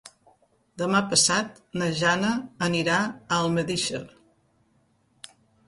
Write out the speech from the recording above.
Demà passat na Jana anirà a Almedíxer.